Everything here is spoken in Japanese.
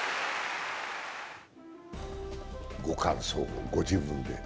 ご感想をご自分で。